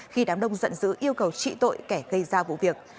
khi đám đông giận dữ yêu cầu trị tội kẻ gây ra vụ việc